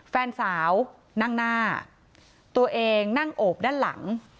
แฟนสาวนั่งหน้าตัวเองนั่งโอบด้านหลัง